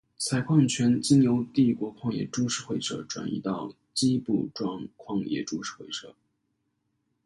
采矿权经由帝国矿业株式会社转移到矶部矿业株式会社。